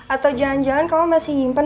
atau jangan jangan kamu masih nyimpen